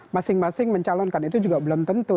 masing masing mencalonkan itu juga belum tentu